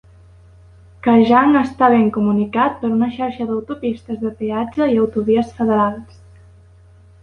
Kajang està ben comunicat per una xarxa d'autopistes de peatge i autovies federals.